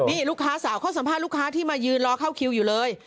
นี่ลูกค้าสาวเขาสัมภาษณ์ลูกค้าที่มายืนรอเข้าคิวอยู่เลย